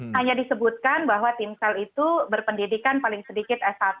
hanya disebutkan bahwa timsel itu berpendidikan paling sedikit s satu